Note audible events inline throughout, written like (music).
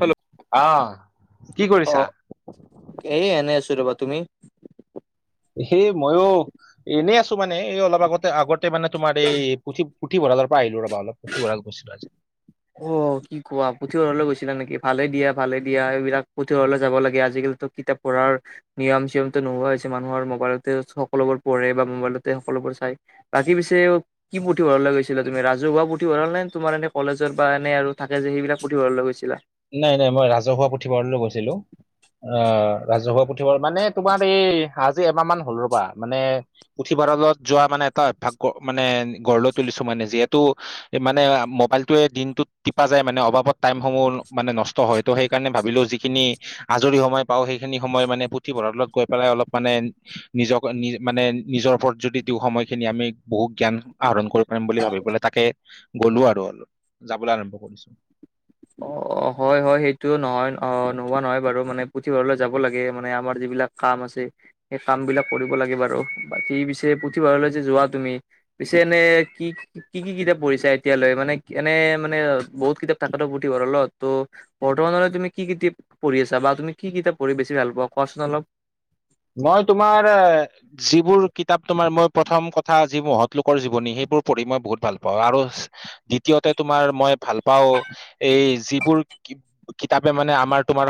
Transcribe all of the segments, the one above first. Hello. অ, কি কৰিছা? এ - এনেই আছো ৰ'বা তুমি? সেই মইও এনেই আছো মানে এই অলপ আগতে আগতে মানে তোমাৰ এই পুথি পুথি ভৰালৰ পৰা আহিলো ৰবা অলপ পুথি ভৰাল গৈছিলো আজি। অ, কি কোৱা পুথিভঁৰাললৈ গৈছিলা নেকি? ভালে দিয়া - ভালে দিয়া এইবিলাক পুথিভঁৰাললৈ যাব লাগে আজিকালিটো কিতাপ পৰাৰ নিয়ম চিয়মত নোহোৱা হৈছে মানুহৰ মোবাইলতে সকলোবোৰ পঢ়ে বা মোবাইলতে সকলোবোৰ চাই বাকী পিছে কি পুথিভৰালে গৈ তুমি ৰাজহুৱা পুথিভৰাল নে, তোমাৰ এনে কলেজ বা এনে আৰু থাকে যে সেইবিলাক পঢ়িবই গৈছিলা। নাই - নাই মই ৰাজহুৱা পুথিভঁৰাললৈ গৈছিলো। আহ ৰাজহুৱা পুথি মানে তোমাৰ এই আজি এমাহ মান হ'ল ৰ'বা মানে পুথিভঁৰালত যোৱা মানে এটা অভ্যাস মানে গঢ় লৈ তুলিছো মানে যিহেতু মানে মোবাইল য়ে দিনটোত টিপা যায় মানে অভাৱত টাইমসমূহ মানে নষ্ট হয় ত' সেইকাৰণে ভাবিলো যিখিনি আজৰি সময় পাওঁ সেইখিনি সময় মানে পুথিভঁৰাললত গৈ পেলাই অলপ মানে। নিজক মানে নিজৰ ওপৰত যদি সময়খিনি আমি বহু জ্ঞান আহৰণ কৰি বুলি ভাবি পেললে তাকে গলো আৰু অলপ যাবলৈ আৰম্ভ কৰিছো। অ', অ', হয় হয়। সেইটো নহয় অ নোহোৱা নহয় বাৰু, মানে পুথিভঁৰালৈ যাব লাগে মানে আমাৰ যিবিলাক কাম আছে সেই কাম বিলাক কৰিব লাগে বাৰু বাকী পিছে পুথিভঁৰালৈ যে যোৱা তুমি পিছে এনে কি- কি- কি কিতাপ পঢ়িছা এতিয়ালৈ মানে এনে মানে বহুত কিতাপ থাক ত পুথি ভঁৰালত তো। বৰ্তমানলৈ তুমি কি কিতাপ পঢ়ি আছা তুমি কি কিতাপ পঢ়ি বেছি ভাল পা কোৱাচোন অলপ। মই তোমাৰ যিবোৰ কিতাপ তোমাৰ মই প্ৰথম কথা যি মহৎ লোকৰ জীৱনী সেইবোৰ পঢ়ি মই বহুত ভাল পাও আৰু দ্বিতীয়তে তোমাৰ মই ভাল পাও এই যিবোৰ কিতাপে মানে আমাৰ তোমাৰ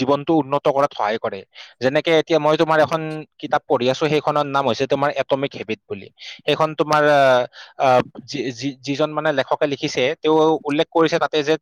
জীৱনতটো উন্নত কৰাত সহায় কৰে যেনেকে এতিয়া মই তোমাৰ এখন কিতাপ পঢ়ি আছো। সেইখনৰ নাম হৈছে তোমাৰ এটমিক হেবিট বুলি। সেইখন তোমাৰ আহ আহ যি যি যিজন মানে লেখকে লিখিছে তেওঁ উল্লেখ কৰিছে তাতে যে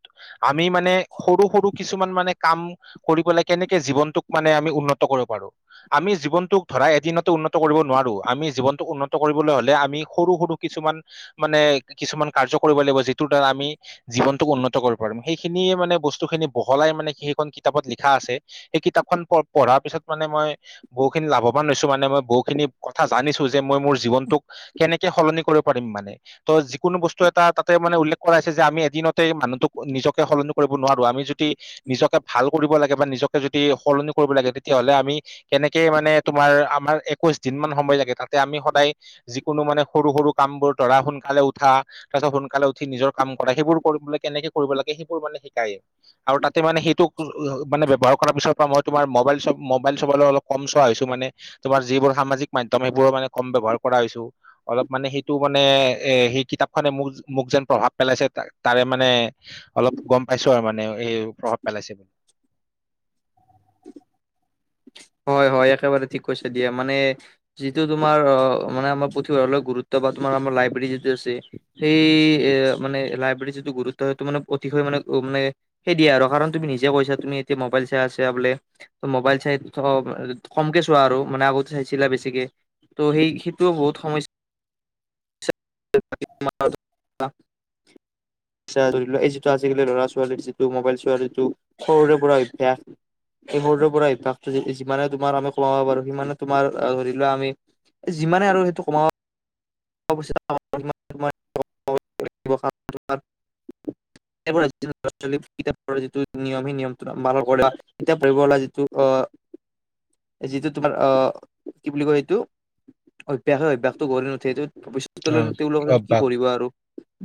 আমি মানে সৰু - সৰু কিছুমান মানে কাম কৰি পেলাই কেনেকে জীৱনটোক মানে আমি উন্নত কৰিব পাৰো। আমি জীৱনটোক ধৰা এদিনতো উন্নত কৰিব নোৱাৰো আমি জীৱনটোক উন্নত কৰিবলৈ হলে আমি সৰু সৰু কিছুমান মানে কিছুমান কাৰ্য কৰিব লাগিব যিটোৰ দ্বাৰা আমি জীৱনটোক উন্নত কৰিব পাৰিম সেইখিনিয়ে মানে বস্তুখিনি বহলাই মানে, সেইখন কিতাপত লিখা আছে। সেই কিতাপখন প পঢ়াৰ পিছত মানে মই বহুখিনি লাভৱান হৈছো মানে মই বহুখিনি কথা জানিছো যে মই মোৰ জীৱনটোক। কেনেকে সলনি কৰিব পাৰিম মানে ত' যিকোনো বস্তু এটা তাতে মানে উল্লেখ কৰা হৈছে যে, আমি এদিনতে মানুহটোক নিজকে সলনি কৰিব নোৱাৰো আমি যদি নিজকে ভাল কৰিব লাগে বা নিজকে যদি সলনি কৰিব লাগে তেতিয়াহলে আমি। কেনেকে মানে তোমাৰ আমাৰ একৈশ দিন মান সময় লাগে তাতে আমি সদায়। যিকোনো মানে সৰু সৰু কাম বোৰ ধৰা সোনকালে উঠা। তাৰ পিছত সোনকালে উঠি নিজৰ কাম কৰা সেইবোৰ কৰিবলে কেনেকে কৰিব লাগে সেইবোৰ মানে শিকায়। আৰু তাতে মানে সেইটো মানে ব্যৱহাৰ পিছত পৰা মই তোমাৰ মোবাইল চ মোবাইল চব অলপ। কম চোৱা হৈছো মানে তোমাৰ যিবোৰ সামাজিক মাধ্যম সেইবোৰো মানে কম ব্যৱহাৰ কৰা হৈছো। অলপ মানে সেইটো মানে এ সেই কিতাপখনে মোক মোক যেন প্ৰভাৱ পেলাইছে তাৰে মানে অলপ গ'ম পাইছো আৰু মানে এই প্ৰভাৱ পেলাইছে বুলি হয় হয় একেবাৰে ঠিক কৈছে দিয়া মানে। যিটো তোমাৰ অ মানে আমাৰ পুথিভৰাললৈ গুৰুত্ব বা তোমাৰ আমাৰ লাইব্ৰেৰী যিটো আছে। সেই এ মানে লাইব্ৰেৰী যিটো গুৰুত্ব সেটো মানে অতিশয় মানে মানে সেই দিয়া আৰু কাৰণ তুমি নিজে কৈছা তুমি এতিয়া মোবাইল চাই আছা বোলে মোবাইল চাই। কমকে চোৱা আৰু মানে আগতে চাইছিলা বেছিকে ত' সেই সেইটোও বহুত সমস্যা। (unintelligible) ধৰি এই যিটো আজিকালি ল'ৰা ছোৱালীৰ যিটো মোবাইল চোৱৰ যিটো। সৰুৰে পৰা অভ্যাস। এই মুহূৰ্তৰ পৰা অভ্যাসটো যিমানে তোমাৰ আমি কমাব পাৰো সিমানে তোমাৰ ধৰি লোৱা আমি যিমানে আৰু সেইটো কমাব (unintelligible) ল'ৰা ছোৱালী যিটো নিয়ম সেই নিয়মটো পালন কৰে কিতাপ পঢ়িব লাগে যিটো অ। যিটো তোমাৰ অ কি বুলি কয় এইটো অভ্যাসে অভ্যয়াসটো গঢ় নুঠে এইটো। ভবিষ্যতে অ তেওঁলোকে অ নো কি বা পঢ়িব আৰু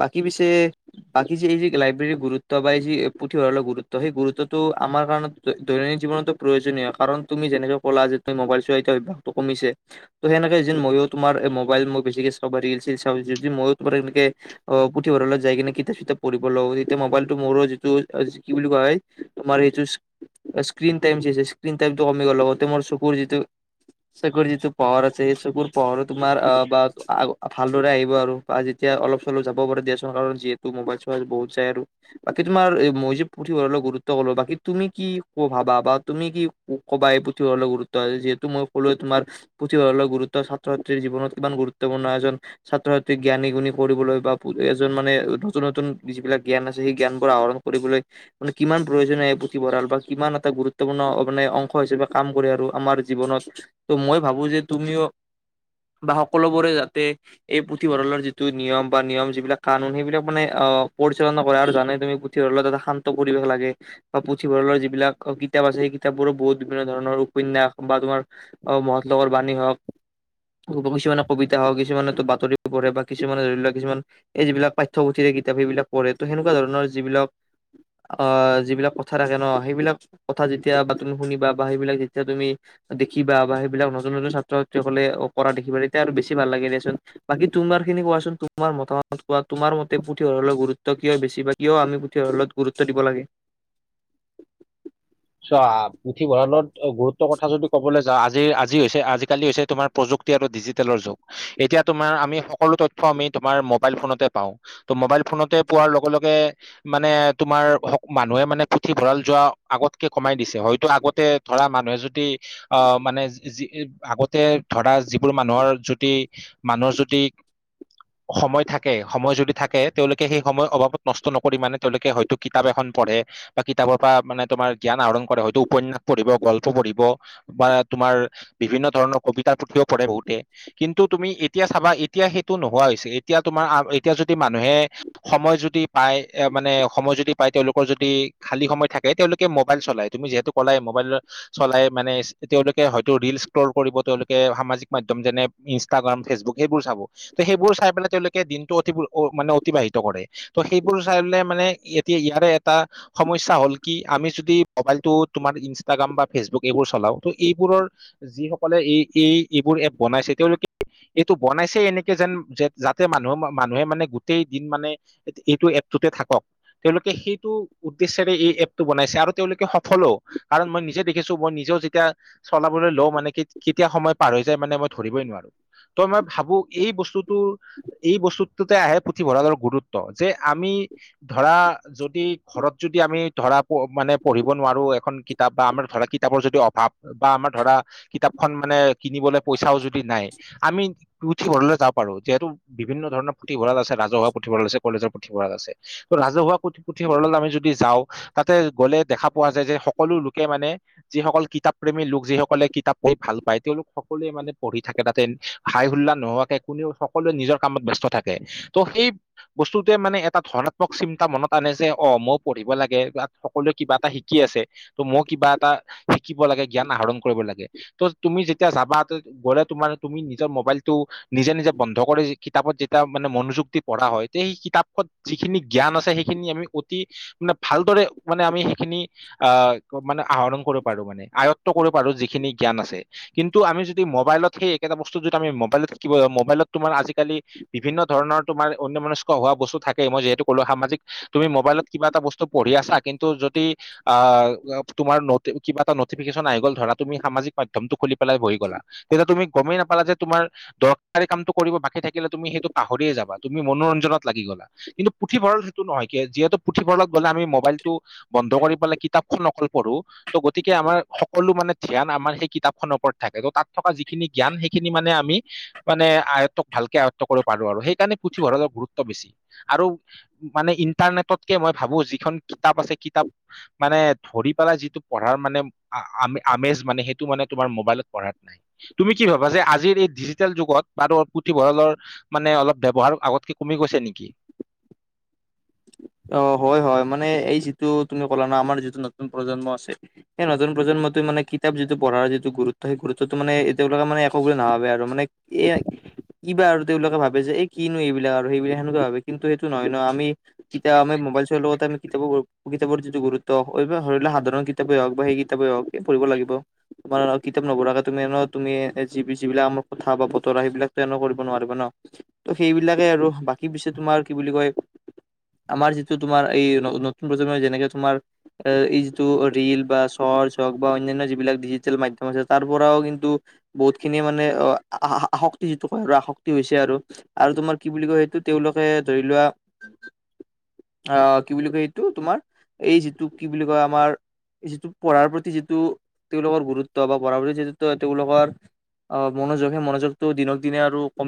বাকী পিছে। বাকী যে এই যি লাইব্ৰেৰীৰ গুৰুত্ব বা এই যি পুথিভঁৰালৰ গুৰুত্ব সেই গুৰুত্বটো আমাৰ কাৰণত দৈনন্দিন জীৱনতো প্ৰয়োজনীয় কাৰণ তুমি যেনেকৈ কলা যে তুমি মোবাইল চোৱা এতিয়া অভ্যসটো কমিছে। ত' সেনেকে যে ময়ো তোমাৰ মোবাইল মই বেছিকে চাব ৰিল ছিল চাওঁ যদি মই তোমাৰ বাৰু সেনেকে অ পুথিভঁৰালত যাই কিনে কিতাপ চিতাপ পঢ়িব লাগো তেতিয়া মোবাইলতটো মোৰো যিটো কি বুলি কোৱা হয়। তোমাৰ সেইটো স্কণ টাইম স্কিন টাইমটো কমি গল লগতে মোৰ চকুৰ যিটো। চকুৰ যিটো পাৱাৰ আছে এই চকুৰ পোহৰো তোমাৰ বা আগ ভালদৰে আহিব আৰু বা যেতিয়া অলপ চলপ যাব পাৰে দিয়াচোন কাৰণ যিহেতু মোবাইল চৱাই বহুত চাই আৰু বাকী তোমাৰ মই যে পুথিভঁৰাললৈ গুৰুত্ব কলো বাকী তুমি কি ক ভাবা বা তুমি কি কবাই পুঠি ভঁৰালৰ গুৰুত্ব আছে যিহেতু মই কলোৱেই তোমাৰ পুথিভঁৰালৰ গুৰুত্ব ছাত্ৰ ছাত্ৰ জীৱন কিমান গুৰুত্বপূৰ্ণ এজন ছাত্ৰ ছাত্ৰীক জ্ঞানী গুণি কৰিবলৈ বা এজন মানে নতুন নতুন যিবিলাক জ্ঞান আছে সেই জ্ঞানবোৰ আহৰণ কৰিবলৈ কিমান প্ৰয়োজনীয় পুথিভঁৰাল বা কিমান এটা গুৰুত্বপূৰ্ণ মানে অংশ হিচাপে কাম কৰে আৰু আমাৰ জীৱনত ত' মই ভাবো যে তুমিও বা সকলোবোৰে যাতে এই পুথিভঁৰালৰ যিটো নিয়ম বা নিয়ম যিবিলাক কানুন সেইবিলাক মানে অ পৰিচালনা কৰে আৰু জানাই তুমি পুথিভঁৰালত এটা শান্ত পৰিৱেশ লাগে বা পুথিভঁৰালৰ যিবিলাক কিতাপ আছে সেই কিতাপবোৰো বহুত বিভিন্ন ধৰণৰ উপন্যাস বা তোমাৰ অ মহৎ লোকৰ বাণী হওক কিছুমানৰ কবিতা হওক কিছুমান বাতৰি পঢ়ে বা কিছুমানে ধৰি লোৱা কিছুমান এই যিবিলা পাঠ্যপুথিৰে কিতাপ সেইবিলাক পঢ়ে ত সেনেকুৱা ধৰণৰ যিবিলাক, অ যিবিলাক প্ৰথা থাকে ন সেইবিলাক। কথা যেতিয়া বা তুমি শুনিবা বা সেইবিলাক যেতিয়া তুমি, দেখিবা বা সেইবিলাক নতুন নতুন ছাত্ৰ ছাত্ৰীসকলে কৰা দেখিবা তেতিয়া আৰু বেছি ভাল লাগে দিয়াচোন। বাকী তোমাৰ খিনি কোৱাচোন তোমাৰ মতা মত কোৱা তোমাৰ মতে পুথিভৰালৰ গুৰুত্ব কিয় বেছি। কিয় আমি পুথি ভঁৰালক গুৰুত্ব দিব লাগে। চোৱা পুথিভঁৰালত গুৰুত্বৰ কথা যদি ক'বলৈ যাওঁ আজি আজি হৈছে আজিকালি হৈছে তোমাৰ। প্ৰযুক্তি আৰু ডিজিটেলৰ যুগ এতিয়া তোমাৰ আমি সকলো তথ্য আমি তোমাৰ মোবাইল ফোনতে পাওঁ, ত মোবাইল ফোনতে পোৱাৰ লগে লগে, মানে তোমাৰ মানুহে মানে পুথিভঁৰাল যোৱা আগত, কমাই দিছে হয়তো আগতে ধৰা মানুহে যদি। অ মানে যি আগতে ধৰা যিবোৰ মানুহৰ যদি। মানুহ যদি। সময় থাকে সময় যদি থাকে তেওঁলোকে সেই সময় অভাবত নষ্ট নকৰি মানে তেওঁলোকে হয়তো, কিতাপ এখন পঢ়ে বা কিতাপৰ পৰা মানে তোমাৰ জ্ঞান আহৰণ কৰে হয়তো উপন্যাস পঢ়িব গল্প পঢ়িব। বা তোমাৰ বিভিন্ন ধৰণৰ কবিতাৰ পুথিও পঢ়ে বহুতে, কিন্তু তুমি এতিয়া চাবা এতিয়া সেইটো নোহোৱা হৈছে এতিয়া তোমাৰ এতিয়া যদি মানুহে, সময় যদি পাই এ মানে সময় যদি পাই তেওঁলোকৰ যদি খালি সময় থাকে তেওঁলোকে, কে মোবাইল চলাই তুমি যিহেতু কলাই মোবাইল চলাই মানে তেওঁলোকে হয়তো ৰিল স্ক্ৰল কৰিব তেওঁলোকে সামাজিক মাধ্যম যেনে, ইনষ্টাগ্ৰাম ফেচবুক সেইবোৰ চাব ত সেইবোৰ চাই পেলাই তেওঁলোকে দিনটো অ মানে অতিবাহিত কৰে। ত সেইবোৰ চাই ললে মানে এতিয়া ইয়াৰে এটা সমস্যা হল কি। আমি যদি মোবাইলটো তোমাৰ ইনষ্টাগ্ৰাম বা ফেচবুক এইবোৰ চলাও ত এইবোৰৰ, যিসকলে এই এই এইবোৰ এপ বনাইছে তেওঁলোকে, এইটো বনাইছেই এনেকে যেন যাতে মানুহে মানুহে মানে গোটেই দিন মানে, এইটো এপটোতে থাকক তেওঁলোকে সেইটো উদ্দেশ্যয়ৰে এই এপ বনাইছে আৰু তেওঁলোকে সফলো কাৰণ মই নিজে দেখিছো মই নিজেও যেতিয়া। চলাবলৈ লও মানে কি কেতিয়া সময় পাৰ হৈ যায় মানে মই ধৰিবই নোৱাৰো। তই মই ভাবো এই বস্তুটোৰ, এই বস্তুটোতে আহে পুথিভঁৰালৰ গুৰুত্ব যে আমি, ধৰা যদি ঘৰত যদি আমি ধৰা, মানে পঢ়িব নোৱাৰো এখন কিতাপ বা আমাৰ ধৰা কিতাপৰ যদি অভাৱ। বা আমাৰ ধৰা কিতাপখন মানে কিনিবলৈ পইচাও যদি নাই আমি, পুথিভঁললৈ যাব পাৰো যিহেতু বিভিন্ন ধৰণৰ পুথিভঁৰাল আছে ৰাজহুৱা পুথিঁভৰাল আছে কলেজৰ পুথিভঁৰাল আছে। ত ৰাজহুৱা পুথি পুথি ভঁৰালত আমি যদি যাওঁ। তাতে গ'লে দেখা পোৱা যায় যে সকলো লোকে মানে। যিসকল কিতাপ প্ৰেমী লোক যিসকলে কিতাপ পঢ়ি ভাল পায় তেওঁলোক সকলোৱে মানে পঢ়ি থাকে তাতে। হাই হোুল্লা নোহোৱাকে কোনেও সকলোৱে নিজৰ কামত ব্যস্ত থাকে ত সেই, বস্তুটোৱে মানে এটা ধৰ্নাত্মক চিন্তা মনত আনে যে অ মই পঢ়িব লাগে বা, সকলোৱে কিবা এটা শিকি আছে ত মই কিবা এটা শিকিব লাগে জ্ঞান আহৰণ কৰিব লাগে। ত তুমি যেতিয়া যাবা গ'লে তোমাৰ তুমি নিজৰ মোবাইলটো। নিজে নিজে বন্ধ কৰি কিতাপত যেতিয়া মানে মনোযুগ দি পঢ়া হয় তে সেই কিতাপখন, যিখিনি জ্ঞান আছে সেইখিনি আমি অতি মানে ভালদৰে মানে আমি সেইখিনি, আহ মানে আহৰণ কৰিব পাৰো মানে আয়ত্ব কৰিব পাৰো যিখিনি জ্ঞান আছে। কিন্তু আমি যদি মোবাইলত সেই একেটা বস্তু যদি আমি মোবাইলত শিব যাওঁ মোবাইলত তোমাৰ আজিকালি। বিভিন্ন ধৰণৰ তোমাৰ অন্যয় মনস্ক হোৱা বস্তু থাকে মই যিহেতু কলো সামাজিক, তুমি মোবাইলত কিবা এটা বস্তু পঢ়ি আছা কিন্তু যদি। আহ তোমাৰ কিবা এটা নটিফিকেশ্যন আহি গল ধৰা তুমি সামাজিক মাধ্যমটো খুলি পেলাই বহি গলা। তেতিয়া তুমি গমেই নাপালা যে তোমাৰ। দৰকাৰী কামটো কৰিব বাকী থাকিলে তুমি সেইটো পাহৰিয়ে যাবা তুমি মনোৰঞ্জনত লাগি গলা। কিন্তু পুথিভঁৰাল সেইটো নহয় কি যিহেতু আমি পুথিভঁৰাল গলে আমি মবাইল টো বন্ধ কৰি পেলাই কিতাপখন অকল পঢ়ো। ত গতিকে আমাৰ সকলো মানে ধ্যান আমাৰ সেই কিতাপখনৰ ওপৰত থাকে ত তাত থকা যিখিনি জ্ঞান সেইখিনি মানে আমি মানে আয়ত্বক ভালকে আয়ত্ব কৰিব পাৰো আৰু সেইকাৰণে পুথিভঁৰালৰ গুৰুত্ব বেছি। আৰু মানে ইণ্টাৰনেটতকে মই ভাবো যিখন কিতাপ আছে কিতাপ মানে ধৰি পেলা যিটো পঢ়াৰ মানে আম আমেজ মানে সেইটো মানে তোমাৰ মোবাইলত পঢ়াত নাই। তুমি কি ভাবা যে আজিৰ এই ডিজিটেল যুগত বাৰত পুথিভঁৰালৰ মানে অলপ ব্যৱহাৰ আগতকে কমি গৈছে নেকি? অ হয় হয় মানে এই যিটো তুমি ক'লা ন আমাৰ যিটো নতুন প্ৰজন্ম আছে। সেই নতুন প্ৰজন্মটোৱে মানে কিতাপ যিটো পঢ়াৰ যিটো গুৰুত্ব সেই গুৰুত্বটো মানে এতিয়াও লোকে মানে একো নাভাবে আৰু মানে এইয়া - কিবা আৰু তেওঁলোকে ভাবে যে এই কিনো এইবিলাক আৰু সেইবিলাক সেনেকুৱা ভাবে কিন্তু সেইটো নহয় ন আমি কিতাপ আমি মোবাইল চোৱাৰ লগতে আমি কিতাপৰ কিতাপৰ যিটো গুৰুত্ব ঐ বা সৰি লোৱা সাধাৰণ কি- কিতাপেই হওক বা সেই কিতাপ হওক পঢ়িব লাগিব। তোমাৰ কিতাপ নপঢ়াকে তুমি ন তুমি জি বি চি বিলাক আমাৰ কথা বা বতৰা সেইবিলাক কৰিব টেন কৰিব নোৱাৰিব ন। ত সেইবিলাকে আৰু বাকী পিছে তোমাৰ কি বুলি কয় আমাৰ যিটো তোমাৰ এই নতুন প্ৰজন্মই যেনেকে তোমাৰ এই যিটো ৰিল বা শৰ্চ হওক বা অন্যান্য যিবিলাক ডিজিটেল মাধ্যম আছে তাৰ পৰাও কিন্তু বহুত খিনি মানে অ আসক্তি যিটো কয় আৰু আসক্তি হৈছে আৰু। আৰু তোমাৰ কি বুলি কয় সেইটো তেওঁলোকে ধৰি লোৱা আহ কি বুলি কয় এইটো তোমাৰ এই যিটো কি বুলি কয় আমাৰ যিটো পঢ়াৰ প্ৰতি যিটো তেওঁলোকৰ গুৰুত্ব বা পঢ়াৰ প্ৰতি যিটো তেওঁলোকৰ অ মনোযোগ সেই মনোযোগ টো দিনক দিনে আৰু কম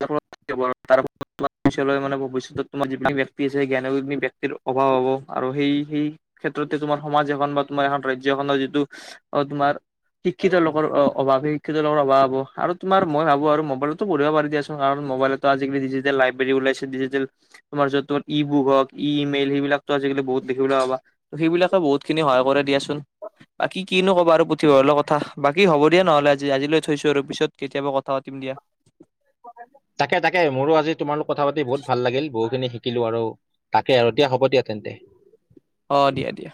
(unintelligible) পিছলৈ মানে ভৱিষ্যতত তোমাৰ যিবি ব্যক্তি আছে জ্ঞানি ব্যক্তিৰ অভাৱ হ'ব আৰু সেই সেই ক্ষেত্ৰতে তোমাৰ সমাজ এখন বা তোমাৰ এখন ৰাজ্যখনৰ যিটো অ তোমাৰ শিক্ষিত লোকৰ অ অভাৱ শিক্ষিত লোকৰ অভাৱ হ'ব আৰু তোমাৰ মই ভাবো আৰু মোবাইলতো পঢ়িব পাৰি দিয়াছ কাৰণ মবাইলেতো আজিকালি ডিজিটেল লাইভ বেৰী ওলাইছে ডিজিটেল তোমাৰ য'ত তোমাৰ ই বুক হক ইমেইল সেইবিলাক ত আজিকালি বহুত দেখিবলৈ পাবা। ত সেইবিলাকে বহুত খিনি সহায় কৰে দিয়াচোন। বাকী কিনো কব আৰু পুথিভঁৰাল কথা বাকী হব দিয়া নহ'লে আজি আজিলৈ থৈছো আৰু পিছত কেতিয়াবা কথা পাতিম দিয়া। তাকে তাকে মোৰো আজি তোমাৰ লোক কথা পাতি বহুত ভাল লাগিল বহুখিনি শি- থাকিলো আৰু তাকে আৰু দিয়া হ'ব দিয়া তেন্তে। অ দিয়া দিয়া।